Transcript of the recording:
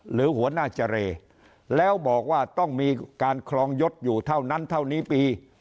หรือหัวหน้าเจรแล้วบอกว่าต้องมีการครองยศอยู่เท่านั้นเท่านี้ปี